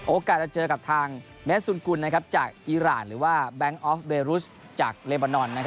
โอกาสจะเจอกับทางเมสซุนกุลจากอีรานหรือว่าแบงค์ออฟเวรุชจากเลบานอน